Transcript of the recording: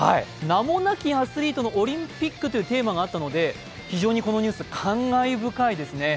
名もなきアスリートのオリンピックというテーマがあったので非常にこのニュース、感慨深いですね。